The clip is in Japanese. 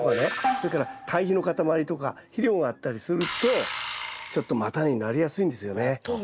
それから堆肥の塊とか肥料があったりするとちょっと叉根になりやすいんですよね。